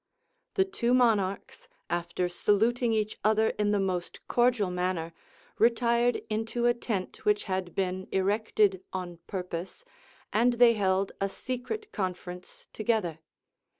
The two monarchs, after saluting each other in the most cordial manner, retired into a tent which had been erected on purpose, and they held a secret conference together.